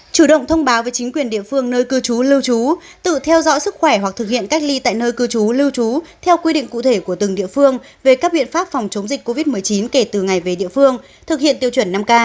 chủ động thông báo với chính quyền địa phương nơi cư trú lưu trú tự theo dõi sức khỏe hoặc thực hiện cách ly tại nơi cư trú lưu trú theo quy định cụ thể của từng địa phương về các biện pháp phòng chống dịch covid một mươi chín kể từ ngày về địa phương thực hiện tiêu chuẩn năm k